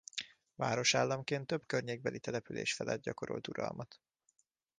Városállamként több környékbeli település felett gyakorolt uralmat.